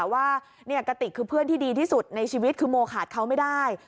ว่ากติกคือเพื่อนที่ดีที่สุดในชีวิตคือโมขาดเขาไม่ได้